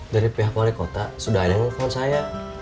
dari pihak wali kota sudah ada yang nge call saya